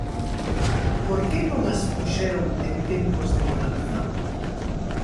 ¿Por que non as puxeron en tempos de bonanza?